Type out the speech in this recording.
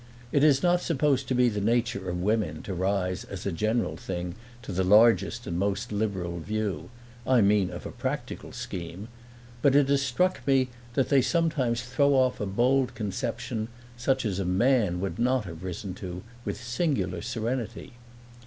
It is not supposed to be the nature of women to rise as a general thing to the largest and most liberal view I mean of a practical scheme; but it has struck me that they sometimes throw off a bold conception such as a man would not have risen to with singular serenity.